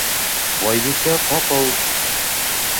Байбисә ҡапыл: